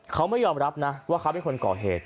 เขาไม่ยอมรับนะว่าเขาเป็นคนก่อเหตุ